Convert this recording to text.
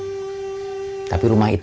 tidak ada rumah